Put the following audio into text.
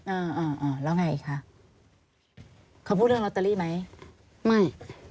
เออแล้วไงอีกคะเขาพูดเรื่องรอตเตอรี่ไหมไม่